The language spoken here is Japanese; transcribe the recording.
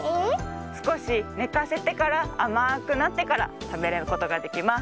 すこしねかせてからあまくなってからたべることができます。